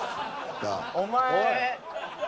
お前。